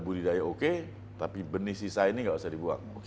budidaya oke tapi benih sisa ini nggak usah dibuang